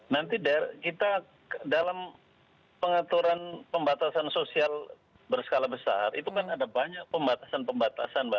nanti der kita dalam pengaturan pembatasan sosial berskala besar itu kan ada banyak pembatasan pembatasan mbak